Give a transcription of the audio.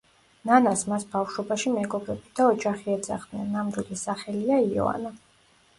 ნანას მას ბავშვობაში მეგობრები და ოჯახი ეძახდნენ, ნამდვილი სახელია იოანა.